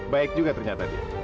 baik juga ternyata dia